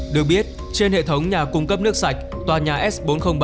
được biết trên hệ thống nhà cung cấp nước sạch tòa nhà s bốn trăm linh ba